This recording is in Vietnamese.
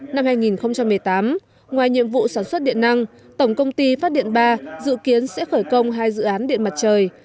năm hai nghìn một mươi tám ngoài nhiệm vụ sản xuất điện năng tổng công ty phát điện ba dự kiến sẽ khởi công hai dự án điện mặt trời